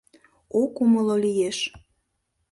— Ок умыло лиеш...